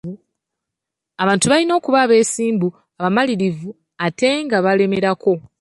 Abantu balina okuba abeesimbu, abamalirivu ate nga balemerako.